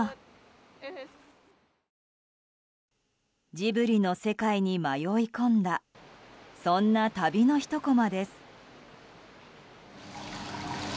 ジブリの世界に迷い込んだそんな旅のひとコマです。